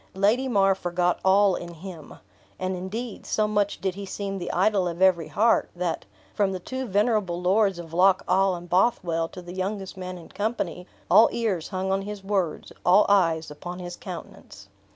Lady mar forgot all in him. And, indeed, so much did he seem the idol of every heart, that, from the two venerable lords of Loch awe and Bothwell to the youngest man in company, all ears hung on his words, all eyes upon his countenance.